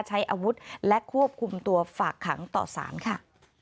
ใช้อาวุธและควบคุมตัวฝากขังต่อสารค่ะ